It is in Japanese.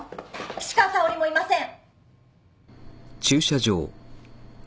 岸川沙織もいません。